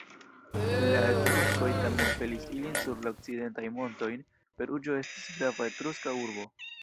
La Etruskoj tamen pelis ilin sur la okcidentajn montojn; Peruĝo estis grava etruska urbo.